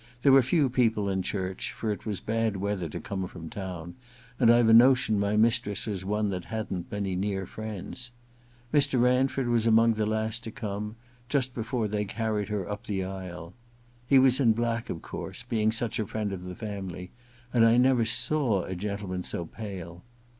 There were few people in the church, for it was bad weather to come from town, and I've a notion my mistress was one that hadn't many near friends. Mr. Ranford was among the last to come, just before they TV THE LADY'S MAID'S BELL 157 carried her up the aisle. He was in black, of course, being such a friend of the family, and I never saw a gentleman so pale.